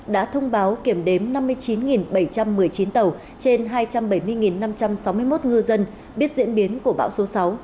đã thông báo kiểm đếm năm mươi chín bảy trăm một mươi chín tàu trên hai trăm bảy mươi năm trăm sáu mươi một ngư dân biết diễn biến của bão số sáu